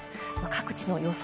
各地の予想